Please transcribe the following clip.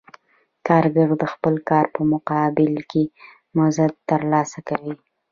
کارګر د خپل کار په مقابل کې مزد ترلاسه کوي